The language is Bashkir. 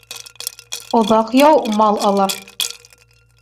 Оҙаҡ яу мал ала.